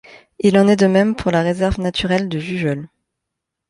Il en est de même pour la réserve naturelle de Jujols.